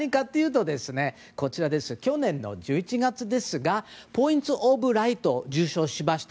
それは去年の１１月ですがポインツ・オブ・ライトを受賞しました。